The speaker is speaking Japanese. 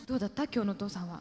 今日のお父さんは。